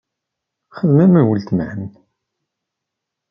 Xdem am uletma-m.